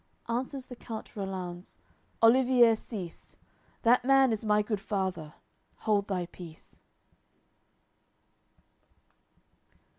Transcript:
Answers the count Rollanz: "Olivier, cease. That man is my good father; hold thy peace."